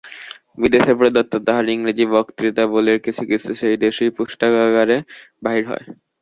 বিদেশে প্রদত্ত তাঁহার ইংরেজী বক্তৃতাবলীর কিছু কিছু সেই দেশেই পুস্তকাকারে বাহির হয়।